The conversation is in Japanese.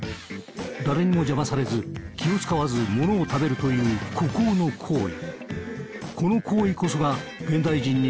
誰にも邪魔されず気を遣わずものを食べるという孤高の行為。